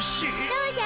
どうじゃ？